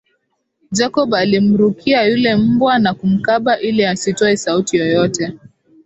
Jacob alimrukia yule mbwa na kumkaba ili asitoe sauti yoyote